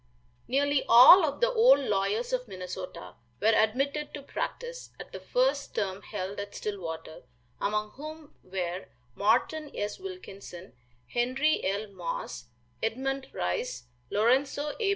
Nearly all of the old lawyers of Minnesota were admitted to practice at the first term held at Stillwater, among whom were Morton S. Wilkinson, Henry L. Moss, Edmund Rice, Lorenzo A.